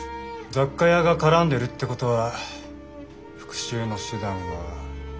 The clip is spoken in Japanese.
雑貨屋が絡んでるってことは復讐の手段は爆弾。